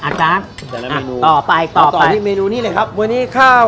อาจารย์ต่อไปต่อไปมีเลยครับวันนี้ข้าว